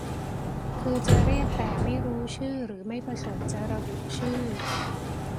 คือจะเรียกแต่ไม่รู้ชื่อหรือไม่ประสงค์จะระบุชื่อ